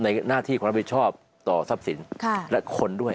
หน้าที่ความรับผิดชอบต่อทรัพย์สินและคนด้วย